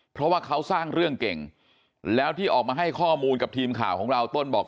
เพราะว่าเขาสร้างเรื่องเก่งแล้วที่ออกมาให้ข้อมูลกับทีมข่าวของเราต้นบอก